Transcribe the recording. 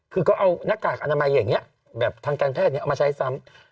คือก็เอาหน้ากากอนามัยอย่างนี้แบบทางการแพทย์เอามาใช้ซ้ำ